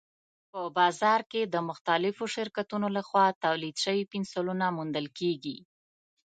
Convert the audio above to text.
په بازار کې د مختلفو شرکتونو لخوا تولید شوي پنسلونه موندل کېږي.